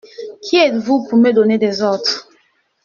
Qui êtes-vous pour me donner des ordres ?